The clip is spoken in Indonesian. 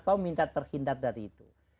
kau minta terhindar dari itu